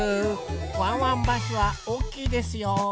ワンワンバスはおおきいですよ！